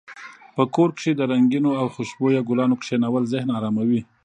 په کور کې د رنګینو او خوشبویه ګلانو کښېنول ذهن اراموي.